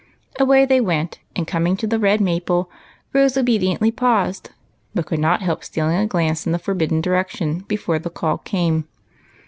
Away they Avent, and, coming to the red maj^le, Rose obediently paused ; but could not hel]^ stealing a glance in the forbidden direction before the call came.